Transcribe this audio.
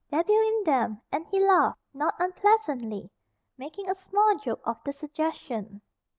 Debbil in 'em," and he laughed, not unpleasantly, making a small joke of the suggestion.